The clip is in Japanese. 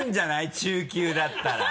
中級だったら。